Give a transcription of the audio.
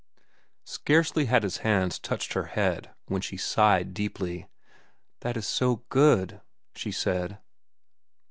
Scarcely had his hands touched her head when she sighed deeply. "That is so good," she said.